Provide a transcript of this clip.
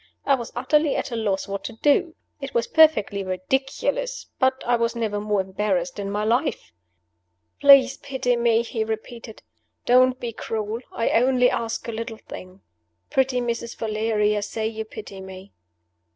I was utterly at a loss what to do. It was perfectly ridiculous but I was never more embarrassed in my life. "Please pity me!" he repeated. "Don't be cruel. I only ask a little thing. Pretty Mrs. Valeria, say you pity me!"